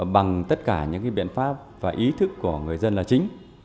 bằng tất cả những biện pháp và ý thức của người dân là chính